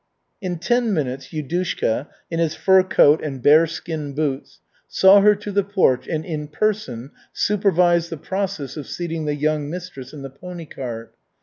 In ten minutes Yudushka, in his fur coat and bear skin boots, saw her to the porch and in person supervised the process of seating the young mistress in the pony cart.